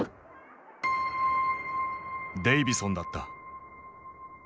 デイヴィソンだった。